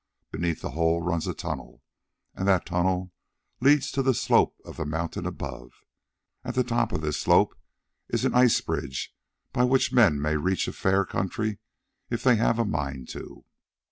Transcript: Beneath the hole runs a tunnel, and that tunnel leads to the slope of the mountain above. At the top of this slope is an ice bridge by which men may reach a fair country if they have a mind to."